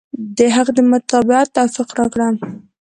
د حق د متابعت توفيق راکړه.